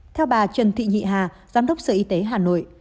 theo bà trần thị nhị hà giám đốc sở y tế hà nội